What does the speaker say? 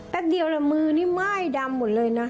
เดียวเลยมือนี่ไหม้ดำหมดเลยนะ